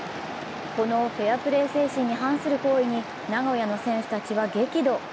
このフェアプレー精神に反する行為に名古屋の選手たちは激怒。